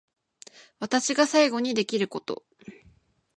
私が最後にできること